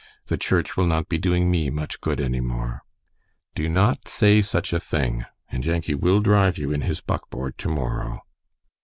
"The church will not be doing me much good any more." "Do not say such a thing; and Yankee will drive you in his buckboard to morrow."